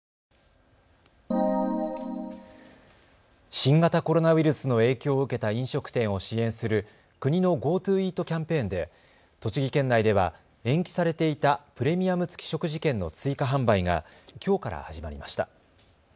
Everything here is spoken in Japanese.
新型コロナウイルスの影響を受けた飲食店を支援する国のＧｏＴｏイートキャンペーンで栃木県内では延期されていたプレミアム付き食事券の追加販売がきょうから始まりました。